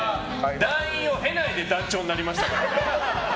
団員を経ないで団長になりましたから。